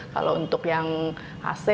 kalau untuk yang aac dan misalnya untuk yang sipil